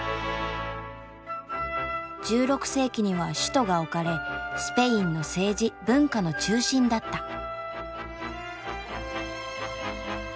１６世紀には首都が置かれスペインの政治・文化の中心だった。